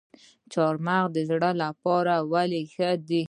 چهارمغز د زړه لپاره ولې ښه دي؟